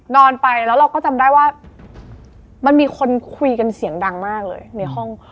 นอนไปแล้วเราก็จำได้ว่ามันมีคนคุยกันเสียงดังมากเลยในห้อง